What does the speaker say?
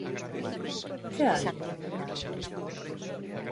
¿Que hai?